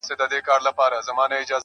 له پاڼې ـ پاڼې اوستا سره خبرې وکړه_